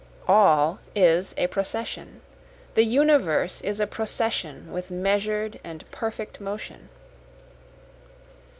(All is a procession, The universe is a procession with measured and perfect motion.)